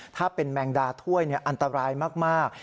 ถ้าเป็นแมงดาถ้วยอันตรายมาก